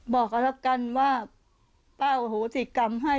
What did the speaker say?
บอกเขาแล้วกันว่าป้าอโหสิกรรมให้